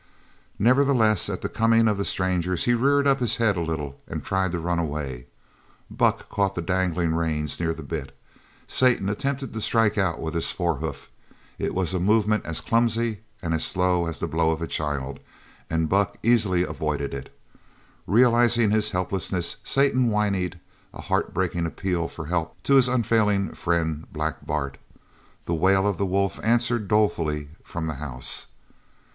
Nevertheless at the coming of the strangers he reared up his head a little and tried to run away. Buck caught the dangling reins near the bit. Satan attempted to strike out with his forehoof. It was a movement as clumsy and slow as the blow of a child, and Buck easily avoided it. Realizing his helplessness Satan whinnied a heart breaking appeal for help to his unfailing friend, Black Bart. The wail of the wolf answered dolefully from the house.